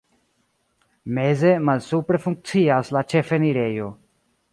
Meze malsupre funkcias la ĉefenirejo.